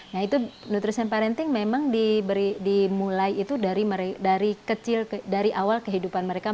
nah itu nutrition parenting memang dimulai itu dari kecil dari awal kehidupan mereka